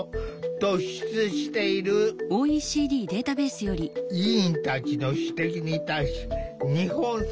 委員たちの指摘に対し日本政府は。